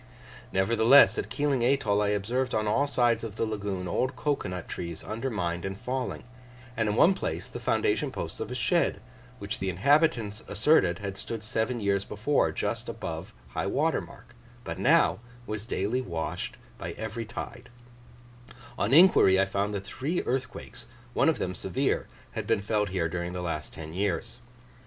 Nevertheless, at Keeling atoll I observed on all sides of the lagoon old cocoa nut trees undermined and falling; and in one place the foundation posts of a shed, which the inhabitants asserted had stood seven years before just above high water mark, but now was daily washed by every tide: on inquiry I found that three earthquakes, one of them severe, had been felt here during the last ten years.